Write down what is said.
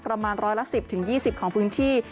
ประมาณร้อยละ๑๐๒๐ของพื้นที่